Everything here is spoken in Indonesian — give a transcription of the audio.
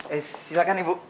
eh silakan ibu